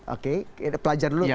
oke pelajar dulu silakan